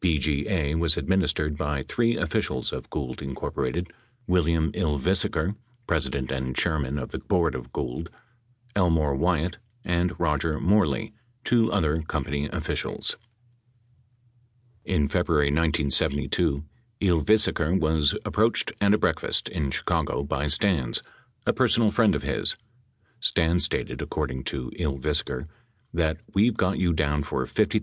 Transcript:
BGA was administered by three officials of Gould, Inc. : William Ylvisaker, president and chairman of the board of Gould, Elmore Wyatt, and Roger Moreley, two other company officials. In February 1972, Ylvisaker was approached at a breakfast in Chicago by Stans, a personal friend of his. Stans stated, according to Ylvisaker, that, "we've got you down for $50,000."